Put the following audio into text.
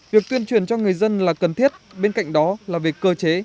việc tuyên truyền cho người dân là cần thiết bên cạnh đó là về cơ chế